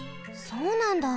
そうなんだ。